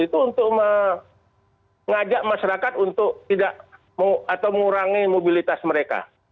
itu untuk mengajak masyarakat untuk tidak atau mengurangi mobilitas mereka